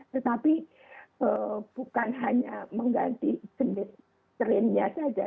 tetapi bukan hanya mengganti jenis strain nya saja